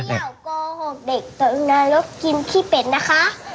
เด็กตัวอุณหลักกินขี้เป็ดนะคะ